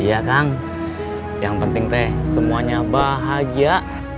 iya kang yang penting teh semuanya bahagia